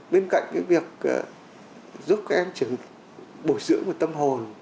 bên cạnh cái việc giúp các em bồi dưỡng một tâm hồn